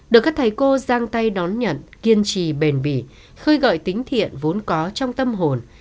được các thầy cô giang tay đón nhận kiên trì bền bỉ khơi gọi tính thiện vốn có trong tâm hồn